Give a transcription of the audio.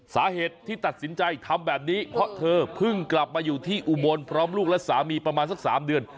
สาเหตุที่ตัดสินใจทำแบบนี้เพราะเธอเพิ่งกลับมาอยู่ที่อุบลพร้อมลูกและสามีประมาณสัก๓เดือน